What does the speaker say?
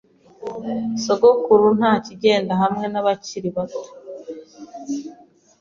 Sogokuru ntakigenda hamwe nabakiri bato.